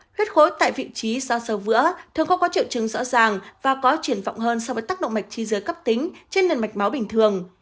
huyết khối tại vị trí sau sờ vữa thường không có triệu chứng rõ ràng và có triển vọng hơn so với tác động mạch chi dưới cấp tính trên nền mạch máu bình thường